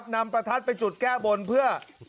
ประทัดไปจุดแก้บนเพื่อ